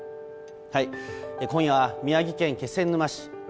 今夜は宮城県気仙沼市。